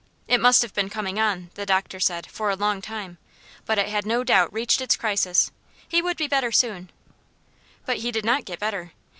It must have been coming on, the doctor said, for a long time; but it had no doubt now reached its crisis. He would be better soon. But he did not get better.